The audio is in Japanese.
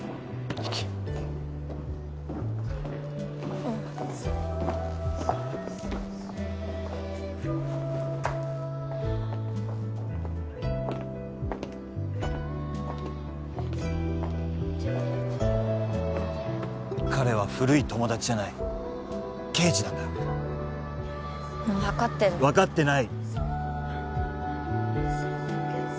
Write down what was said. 行きいうん彼は古い友達じゃない刑事なんだようん分かってる分かってない！